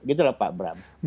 gitu loh pak bram